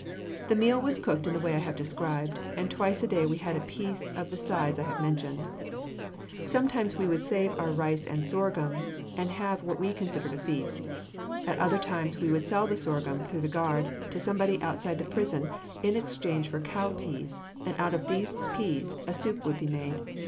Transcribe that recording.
The meal was cooked in the way I have described, and twice a day we had a piece of the size I have mentioned. Sometimes we would save our rice and sorghum, and have what we considered a feast. At other times we would sell the sorghum, through the guard, to somebody outside the prison, in exchange for cow peas, and out of these peas a soup would be made.